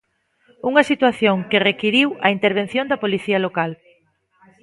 Unha situación que requiriu a intervención da Policía Local.